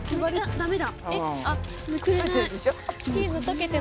ダメだ。